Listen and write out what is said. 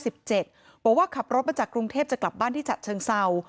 บอกว่าขับรถมาจากกรุงเทพจะกลับบ้านที่ฉะเชิงเศร้า